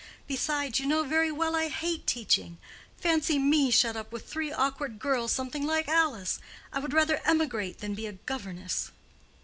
Besides, you know very well I hate teaching. Fancy me shut up with three awkward girls something like Alice! I would rather emigrate than be a governess."